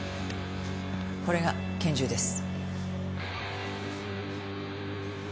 これが拳銃です。